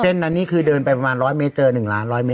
เส้นนั้นนี่คือเดินไปประมาณร้อยเมตรเจอหนึ่งร้านร้อยเมตร